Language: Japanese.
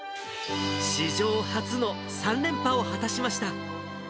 史上初の３連覇を果たしました。